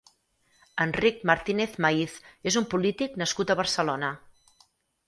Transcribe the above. Enric Martínez Maíz és un polític nascut a Barcelona.